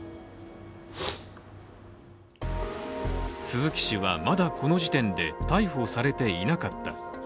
鈴木氏はまだこの時点で逮捕されていなかった。